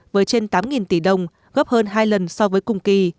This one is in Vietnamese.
với trên tám tỷ đồng gấp hơn hai lần so với cùng kỳ